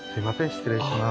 失礼します。